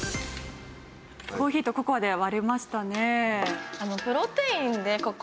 コーヒーとココアで割れましたね。